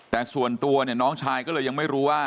แต่ส่วนตัวเนี่ยน้องชายก็เลยยังไม่รู้ว่า